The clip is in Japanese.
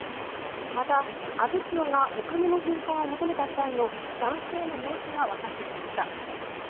また、阿武町がお金の返還を求めた際の男性の様子がわかってきました。